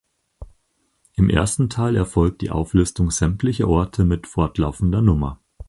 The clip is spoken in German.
Im ersten Teil erfolgt die Auflistung sämtlicher Orte mit fortlaufender Nummer.